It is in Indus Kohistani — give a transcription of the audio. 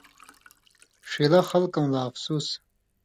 ݜِلہۡ خلکؤں لا افسُوس!